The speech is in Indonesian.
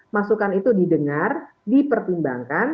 masukan itu didengar dipertimbangkan